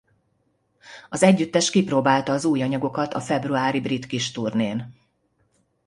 Az együttes kipróbálta az új anyagokat a februári brit kis turnén.